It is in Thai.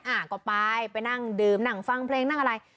อ่าก็ไปไปนั่งดื่มนั่งฟังเพลงนั่งอะไร